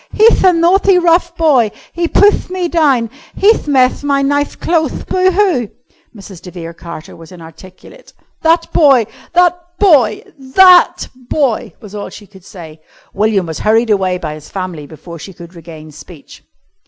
"He'th a nathty, rough boy! He puthed me down. He'th methed my nith clotheth. Boo hoo!" Mrs. de Vere Carter was inarticulate. "That boy ... that boy ... that boy!" was all she could say. William was hurried away by his family before she could regain speech.